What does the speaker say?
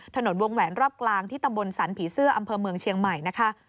ถนนวงแหวนรอบกลางที่ตำบลสันผีเสื้ออำเภอเมืองเชียงใหม่นะคะ